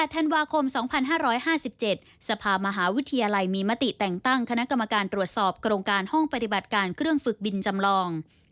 ธันวาคม๒๕๕๗สภามหาวิทยาลัยมีมติแต่งตั้งคณะกรรมการตรวจสอบโครงการห้องปฏิบัติการเครื่องฝึกบินจำลอง